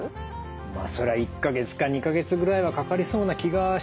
まあそれは１か月か２か月ぐらいはかかりそうな気がしますよね。